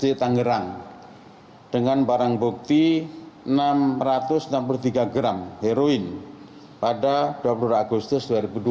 di tangerang dengan barang bukti enam ratus enam puluh tiga gram heroin pada dua puluh dua agustus dua ribu dua puluh